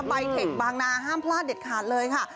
เทคบางนาห้ามพลาดเด็ดขาดเลยค่ะ